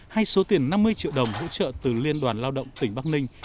hay số tiền năm mươi triệu đồng hỗ trợ từ liên đoàn lao động tỉnh bắc ninh